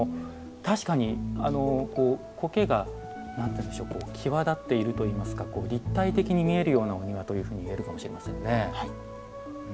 確かに苔が際立っているといいますか立体的に見えるようなお庭というふうにいえるかもしれませんね。